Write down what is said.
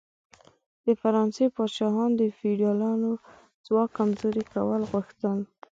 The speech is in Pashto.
د فرانسې پاچاهان د فیوډالانو ځواک کمزوري کول غوښتل.